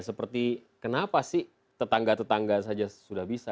seperti kenapa sih tetangga tetangga saja sudah bisa